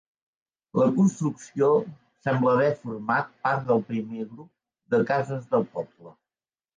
La construcció sembla haver format part del primer grup de cases del poble.